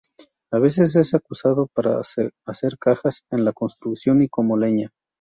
A veces es usado para hacer cajas, en la construcción, y como leña.